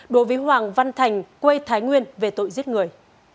đối với hoàng văn thành quê thái nguyên về tội giết người